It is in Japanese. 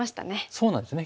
そうなんですね